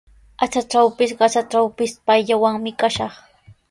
Atraqtrawpis, qasatrawpis payllawanmi kashaq.